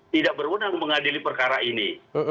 tidak berwenang mengadili perkara ini